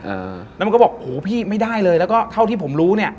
เออแล้วมันก็บอกโหพี่ไม่ได้เลยแล้วก็เท่าที่ผมรู้เนี้ย